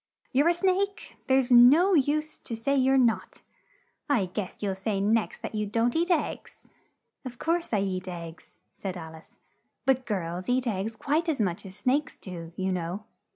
You're a snake; and there's no use to say you're not. I guess you'll say next that you don't eat eggs!" "Of course I eat eggs," said Al ice, "but girls eat eggs quite as much as snakes do, you know."